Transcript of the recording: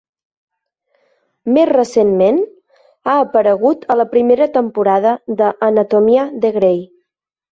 Més recentment, ha aparegut a la primera temporada de "Anatomia de Grey".